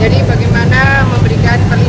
jadi bagaimana memberikan perjualan